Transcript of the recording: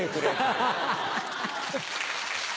ハハハハ。